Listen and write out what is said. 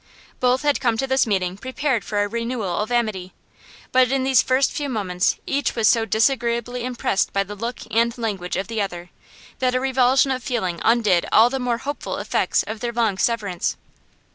Both had come to this meeting prepared for a renewal of amity, but in these first few moments each was so disagreeably impressed by the look and language of the other that a revulsion of feeling undid all the more hopeful effects of their long severance.